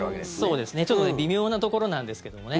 そうですね、ちょっと微妙なところなんですけどもね。